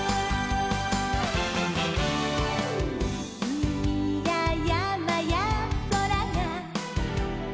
「うみややまやそらが」